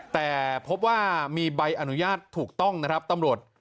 แต่พบว่ามีใบอนุญาตถูกต้องนะครับตำรวจ